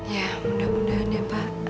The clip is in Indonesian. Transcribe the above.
ya mudah mudahan ya pak